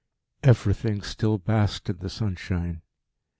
Everything still basked in the sunshine.